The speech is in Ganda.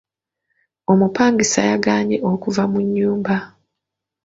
Omupangisa yagaanye okuva mu nnyumba.